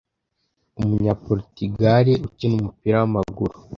umunya Portugal ukina umupira w’amaguru